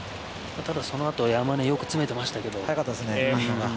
ただ、そのあと山根よく詰めていましたけども。